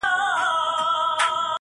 ژړا، سلگۍ زما د ژوند د تسلسل نښه ده،